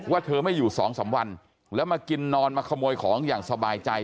เธอไม่อยู่สองสามวันแล้วมากินนอนมาขโมยของอย่างสบายใจ